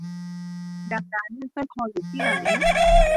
ดังนั้นสร้อยคออยู่ที่ไหน